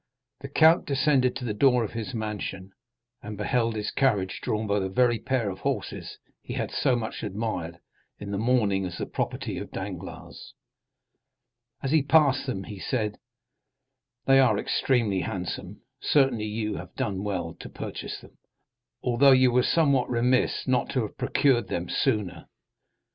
The count descended to the door of his mansion, and beheld his carriage drawn by the very pair of horses he had so much admired in the morning as the property of Danglars. As he passed them he said: "They are extremely handsome certainly, and you have done well to purchase them, although you were somewhat remiss not to have procured them sooner."